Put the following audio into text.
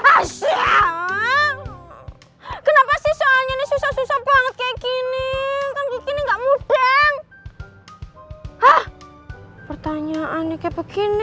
asyik kenapa sih soalnya susah susah banget kayak gini nggak mudah ah pertanyaannya begini